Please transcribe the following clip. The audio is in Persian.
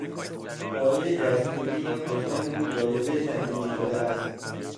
برای دستگیری یا کشتن او جایزه تعیین شده است.